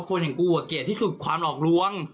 ครึ่งบอกกลัวหรอ